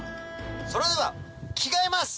それでは着替えます！